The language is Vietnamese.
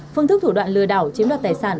phương thức thủ đoạn lừa đảo chiếm đoạt tài sản